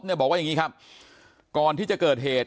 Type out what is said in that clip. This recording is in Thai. บอกว่าอย่างนี้ครับก่อนที่จะเกิดเหตุ